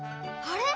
あれ？